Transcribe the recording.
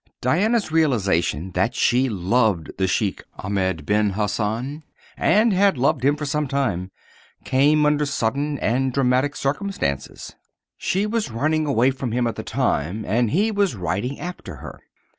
Diana's realization that she loved the Sheik Ahmed Ben Hassan and had loved him for some time came under sudden and dramatic circumstances. She was running away from him at the time and he was riding after her.